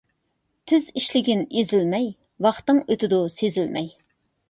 تېز ئىشلىگىن ئېزىلمەي، ۋاقتىڭ ئۆتىدۇ سېزىلمەي.